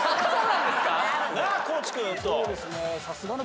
なあ地君。